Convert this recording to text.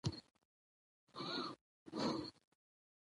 په دې سره د ډیوې ژوند ډېر متفاوت وو